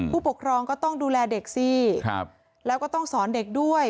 ผู้ปกครองก็ต้องดูแลเด็กสิแล้วก็ต้องสอนเด็กด้วย